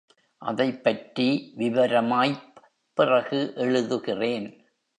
அதைப்பற்றி விவரமாய்ப் பிறகு எழுதுகிறேன்.